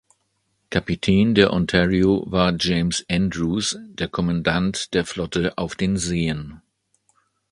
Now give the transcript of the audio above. Kapitän der Ontario war James Andrews, der Kommandant der Flotte auf den Seen.